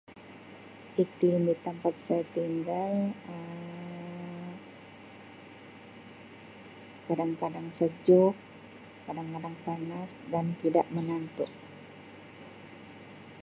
Iklim di tempat saya tinggal Um kadang-kadang sejuk, kadang-kadang panas dan kadang-kadang tidak menentu.